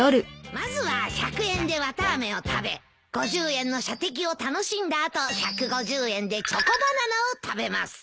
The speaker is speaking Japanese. まずは１００円で綿あめを食べ５０円の射的を楽しんだ後１５０円でチョコバナナを食べます。